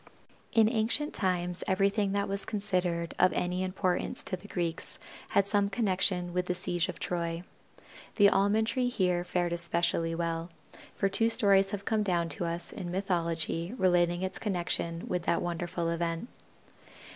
In ancient times everything that was considered of any importance to the Greeks had some connection with the siege of Troy. The Almond tree here fared especially well, for two stories have come down to us in mythology relating its connection with that wonderful event.